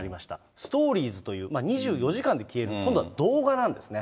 ストーリーズという、２４時間で消える、今度は動画なんですね。